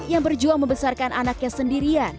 yang berjuang membesarkan anaknya sendirian